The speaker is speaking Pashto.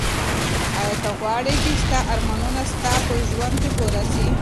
ایا ته غواړې چي ستا ارمانونه ستا په ژوند کي پوره سي؟